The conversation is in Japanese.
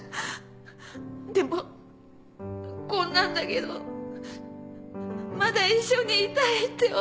でもこんなんだけどまだ一緒にいたいって思うの。